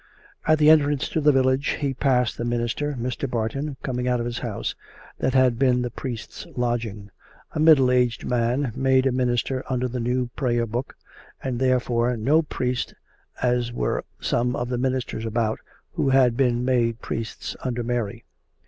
At the entrance to the village he passed the min ister, Mr. Barton, coming out of his house, that had been the priest's lodging, a middle aged man, made a minister under the new Prayer Book, and therefore, no priest as were some of the ministers about, who had been made priests under Mary.